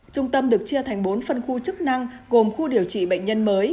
trung tâm được chia thành bốn phân khu chức năng gồm khu điều trị bệnh nhân mới